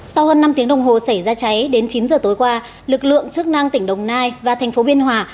sau hơn năm tiếng đồng hồ xảy ra cháy đến chín giờ tối qua lực lượng chức năng tỉnh đồng nai và thành phố biên hòa